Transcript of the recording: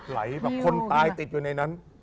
แบบคนตายติดอยู่ในนั้น